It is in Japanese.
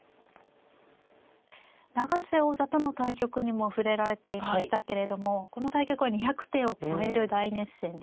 永瀬王座との対局にも触れられていましたけれどもこの対局は２００手を超える大熱戦でした。